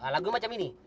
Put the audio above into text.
lagunya seperti ini